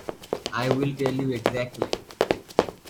I'll tell you exactly.